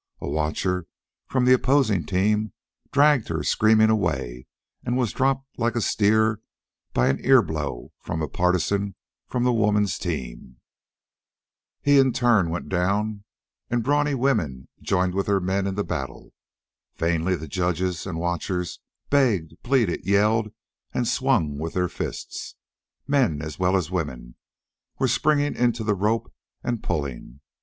A watcher from the opposing team dragged her screaming away and was dropped like a steer by an ear blow from a partisan from the woman's team. He, in turn, went down, and brawny women joined with their men in the battle. Vainly the judges and watchers begged, pleaded, yelled, and swung with their fists. Men, as well as women, were springing in to the rope and pulling.